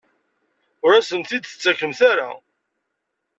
Ur asen-t-id-tettakemt ara?